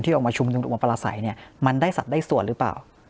ที่จะออกมาชุมหนุ่มตรวมปราศัยมันได้สัดได้ส่วนหรือเปล่า